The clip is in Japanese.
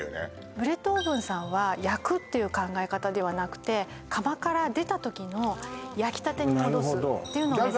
ブレッドオーブンさんは焼くっていう考え方ではなくて窯から出たときの焼きたてに戻すというのを目指している。